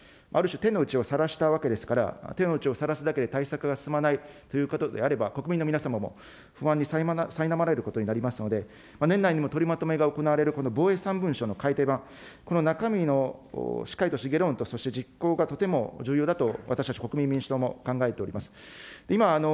今回、ある種、手の内をさらしたわけですから、手の内をさらすだけで、対策が進まないということであれば、国民の皆様も不安にさいなまれることになりますので、年内にも取りまとめが行われる防衛３文書の改定版、この中身のしっかりとした議論と、そして実行がとても重要だと、私たち国民民主党も考えております。